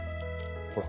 ほら！